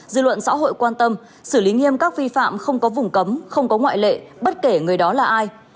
dư luận xã hội quan tâm xử lý nghiêm các vi phạm không có vùng cấm không có ngoại lệ bất kể người đó là ai